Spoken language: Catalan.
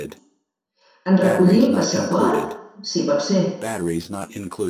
En recollir el passaport, si pot ser.